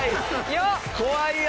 怖いよ！